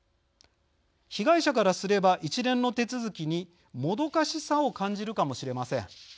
被害者からすれば一連の手続きに、もどかしさを感じるかもしれません。